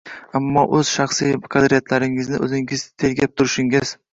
Ammo o’z shaxsiy qadriyatlaringizni o’zingiz tergab turishingiz